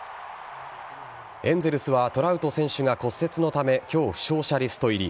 エンゼルスはトラウト選手が骨折のため今日、負傷者リスト入り。